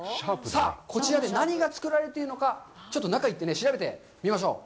さあ、こちらで何がつくられているのか、ちょっと中に行って調べてみましょう。